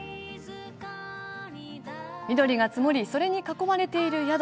翠が積もりそれに囲まれている宿。